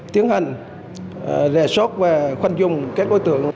tiến hành rè sót và khoanh dùng các đối tượng